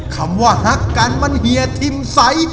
คำว่าฮักกันมันเฮียทิมใส